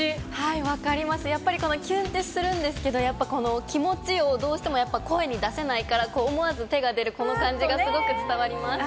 分かります、やっぱりこのキュンってするんですけど、やっぱこの気持ちを、どうしてもやっぱ声に出せないから、思わず手が出るこの感じがすごく伝わります。